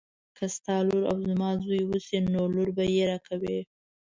که ستا لور او زما زوی وشي نو لور به یې راکوي.